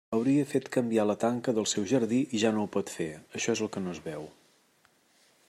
Hauria fet canviar la tanca del seu jardí i ja no ho pot fer, això és el que no es veu.